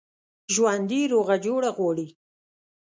ژوندي روغه جوړه غواړي